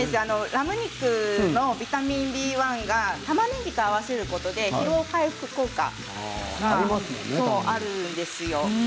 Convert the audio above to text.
ラム肉のビタミンＢ１がたまねぎと合わさることで疲労回復効果があるんですよ。